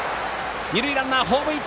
二塁ランナーはホームイン！